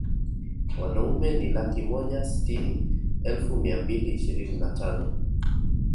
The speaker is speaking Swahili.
Wanaume ni laki moja sitini elfu mia mbili ishirini na tano